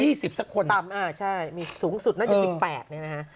ที่๑๐สักคนอ่ะใช่มีสูงสุดน่าจะ๑๘นี่นะคะ